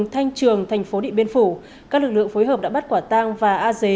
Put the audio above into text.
thanh trường thành phố điện biên phủ các lực lượng phối hợp đã bắt quả tang và a dế